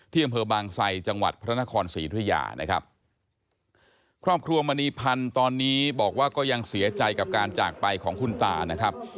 อำเภอบางไซจังหวัดพระนครศรีธุยานะครับครอบครัวมณีพันธ์ตอนนี้บอกว่าก็ยังเสียใจกับการจากไปของคุณตานะครับ